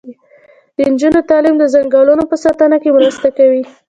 د نجونو تعلیم د ځنګلونو په ساتنه کې مرسته کوي.